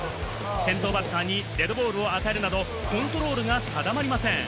先頭バッターにデッドボールを与えるなどコントロールが定まりません。